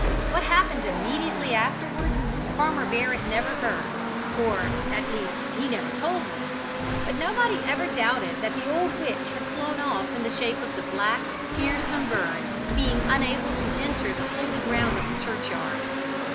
What happened immediately afterwards Farmer Barrett never heard, or, at least, he never told me, but nobody ever doubted that the old witch had flown off in the shape of the black, fearsome bird, being unable to enter the holy ground of the churchyard.